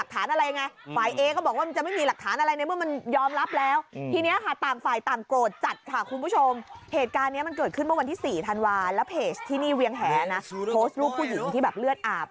ที่นี่เวี่ยงแหนะโพสต์ลูกผู้หญิงที่แบบเลือดอาบ